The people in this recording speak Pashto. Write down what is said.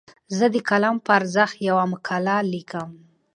زه د قلم په ارزښت یوه مقاله لیکم.